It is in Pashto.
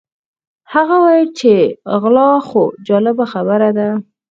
هغه وویل چې غلا خو جالبه خبره ده.